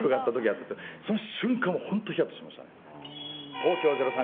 東京０３